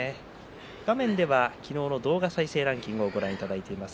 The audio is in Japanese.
画面では昨日の動画再生ランキングをご覧いただいています。